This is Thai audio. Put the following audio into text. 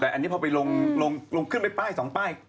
แต่อันนี้พอไปลงขึ้นไปป้าย๒ป้าย